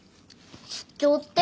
出張って？